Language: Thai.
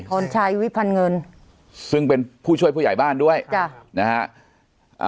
พรชัยวิพันธ์เงินซึ่งเป็นผู้ช่วยผู้ใหญ่บ้านด้วยจ้ะนะฮะ